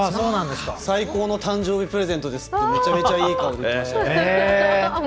最高の誕生日プレゼントですってめちゃくちゃいい顔で言ってました。